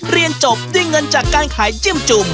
เรียนจบด้วยเงินจากการขายจิ้มจุ่ม